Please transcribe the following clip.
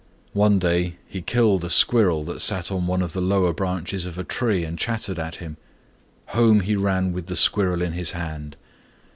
One day he killed a squirrel that sat on one of the lower branches of a tree and chattered at him. Home he ran with the squirrel in his hand.